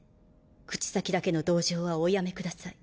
口先だけの同情はおやめください。